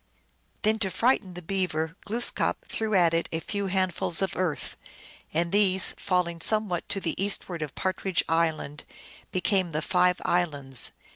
Then, to frighten the Beaver, Glooskap threw at it a few handf uls of earth, and these, falling somewhat to the eastward of Partridge Island, became the Five Islands.